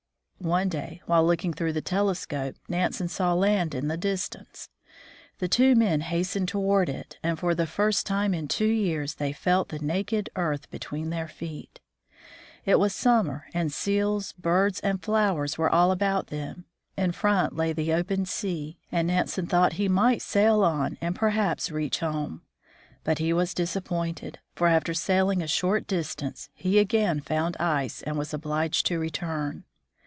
One day, while looking through the telescope, Nansen saw land in the distance. The two men hastened toward it, and for the first time in two years they felt the naked earth beneath their feet. It was summer, and seals, birds, and flowers were all about them. In front lay the open sea, and Nansen thought he might sail on, and perhaps reach home. But he was disappointed, for after sailing a short distance, he again found ice and was obliged to return.